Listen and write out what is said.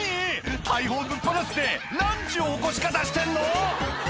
大砲ぶっ放すって何ちゅう起こし方してんの！